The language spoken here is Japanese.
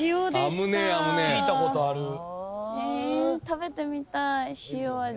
食べてみたい塩味。